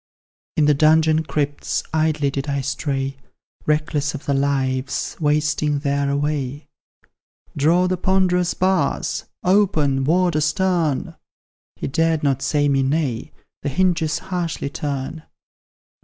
In the dungeon crypts idly did I stray, Reckless of the lives wasting there away; "Draw the ponderous bars! open, Warder stern!" He dared not say me nay the hinges harshly turn.